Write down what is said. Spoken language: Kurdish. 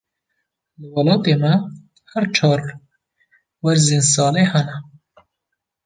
Li welatê me, her çar werzên salê hene.